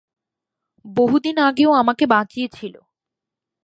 বহু দিন আগে ও আমাকে বাঁচিয়েছিল।